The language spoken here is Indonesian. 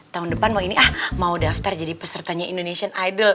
tahun depan mau ini ah mau daftar jadi pesertanya indonesian idol